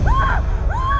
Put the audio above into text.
pernah mencintai kamu